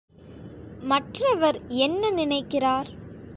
மற்றவர் என்ன நினைக்கிறார்?